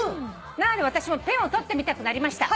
「なので私もペンを執ってみたくなりました」